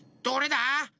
どれだ？